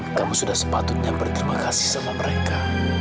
dan kamu sudah sepatutnya berterima kasih sama mereka